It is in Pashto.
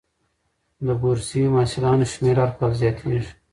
د بورسي محصلانو شمېر هر کال زیاتېږي.